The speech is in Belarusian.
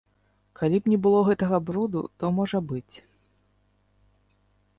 Калі б не было гэтага бруду, то можа быць.